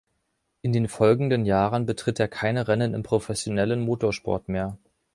In den folgenden Jahren bestritt er keine Rennen im professionellen Motorsport mehr.